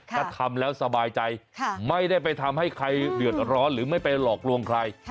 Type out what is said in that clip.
ถ้าทำแล้วสบายใจไม่ได้ไปทำให้ใครเดือดร้อนหรือไม่ไปหลอกลวงใคร